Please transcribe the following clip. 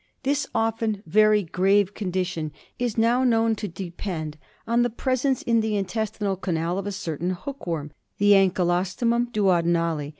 This often very grave condition is now known to depend on the presence in the intestinal canal of a certain hook worm — the Ankylostomum duodenale.